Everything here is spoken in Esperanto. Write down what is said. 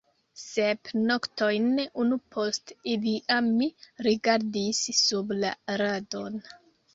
Sep noktojn unu post alia mi rigardis sub la radon.